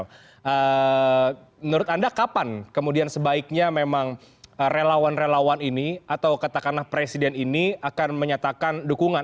menurut anda kapan kemudian sebaiknya memang relawan relawan ini atau katakanlah presiden ini akan menyatakan dukungan